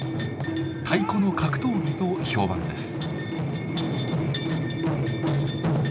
太鼓の格闘技と評判です。